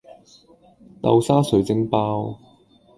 豆沙水晶包